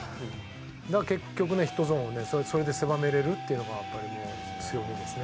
だから結局ねヒットゾーンをねそれで狭めれるっていうのがやっぱり強みですね。